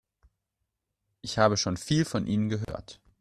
Ich habe schon viel von Ihnen gehört.